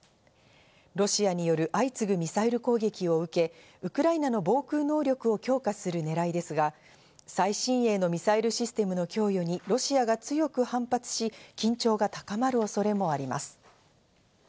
ロシアによる相次ぐミサイル攻撃を受け、ウクライナの防空能力を強化するねらいですが、最新鋭のミサイルシステムの供与にロシアが強く反発し、緊張が高まる恐れもあります。